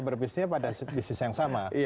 berbisnis pada bisnis yang sama